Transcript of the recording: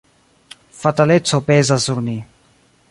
Fataleco pezas sur ni.